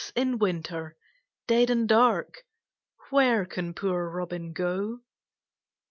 in Winter, dead and dark, Where can poor Robin go?